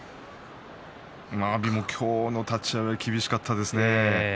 阿炎も今日の立ち合い厳しかったですね。